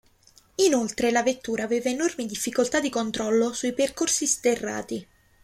Inoltre la vettura aveva enormi difficoltà di controllo sui percorsi sterrati.